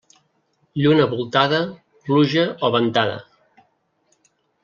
Lluna voltada, pluja o ventada.